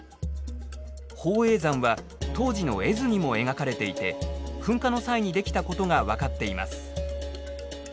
宝永山は当時の絵図にも描かれていて噴火の際にできたことが分かっています。